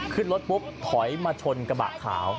ขึ้นรถปุ๊บถอยมาชนกระบะขาว